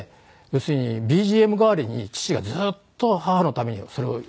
要するにＢＧＭ代わりに父がずっと母のためにそれを。